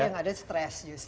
yang ada stress justru